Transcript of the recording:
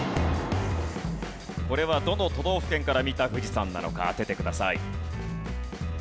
これはどの都道府県から見た富士山なのか当ててください。